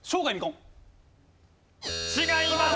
違います！